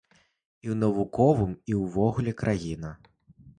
І ў навуковым, і ўвогуле краіна.